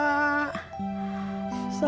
emak teh udah tua